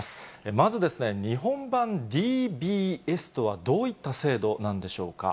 まず日本版ＤＢＳとはどういった制度なんでしょうか。